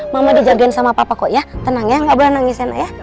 mama dijagain sama bapak kok ya tenang ya gak boleh nangisin ya